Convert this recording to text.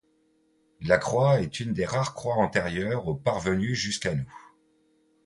La croix est une des rares croix antérieure au parvenue jusqu'à nous.